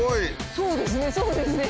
そうですねそうですね。